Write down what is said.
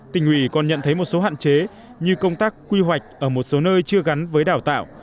tỉnh ủy còn nhận thấy một số hạn chế như công tác quy hoạch ở một số nơi chưa gắn với đào tạo